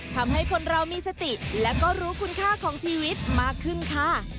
ทำให้คนเรามีสติและก็รู้คุณค่าของชีวิตมากขึ้นค่ะ